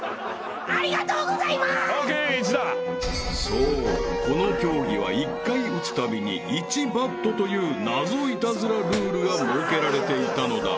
［そうこの競技は１回打つたびに１バットという謎イタズラルールが設けられていたのだ］